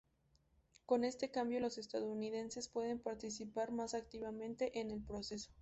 Con este cambio, los estadounidenses pueden participar más activamente en el proceso.